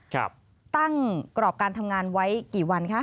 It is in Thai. ตั้งกรอบการทำงานไว้กี่วันคะ